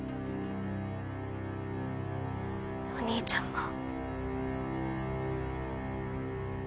お兄ちゃんも。